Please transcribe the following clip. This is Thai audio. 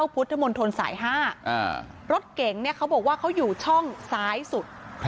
พุทธมนตรสาย๕รถเก๋งเขาบอกว่าเขาอยู่ช่องซ้ายสุด